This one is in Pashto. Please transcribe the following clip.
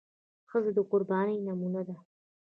ښځه د قربانۍ نمونه ده.